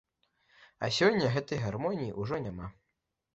А сёння гэтай гармоніі ўжо няма.